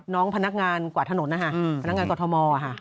น้องพนักงานกว่าถนนนะฮะพนักงานกว่าธม